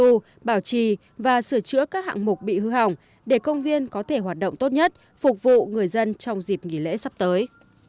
các cơ quan chức năng cần thực hiện việc duy tu bảo trì và sửa chữa các hạng mục bị hư hỏng để công viên có thể hoạt động tốt nhất phục vụ người dân trong dịp nghỉ lễ sắp tới